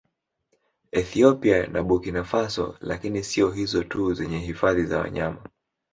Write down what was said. Ethiopia na Burkinafaso lakini siyo hizo tu zenye hifadhi za wanyama